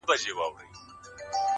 • کليوال کله کله د پېښې په اړه چوپ سي..